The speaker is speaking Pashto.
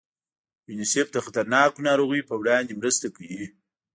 یونیسف د خطرناکو ناروغیو په وړاندې مرسته کوي.